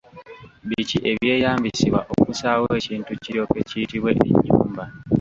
Biki ebyeyambisibwa okussaawo ekintu kiryoke kiyitibwe ennyumba?